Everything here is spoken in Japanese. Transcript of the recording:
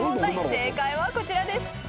正解はこちらです。